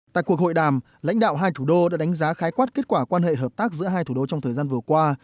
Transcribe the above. tại cuộc hội đàm lãnh đạo hai thủ đô đã đánh giá khái quát kết quả quan hệ hợp tác giữa hai thủ đô trong thời gian vừa qua